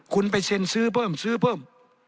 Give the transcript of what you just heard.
คุณไปเซ็นซื้อเพิ่มซื้อเพิ่ม